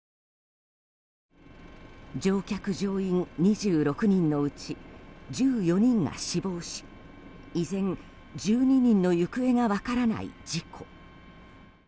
乗客・乗員２６人のうち１４人が死亡し依然、１２人の行方が分からない事故。